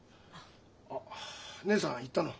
あっ義姉さん行ったの？